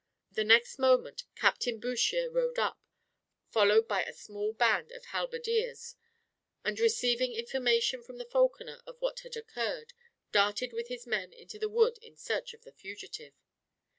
The next moment Captain Bouchier rode up, followed by a small band of halberdiers, and receiving information from the falconer of what had occurred, darted with his men into the wood in search of the fugitive.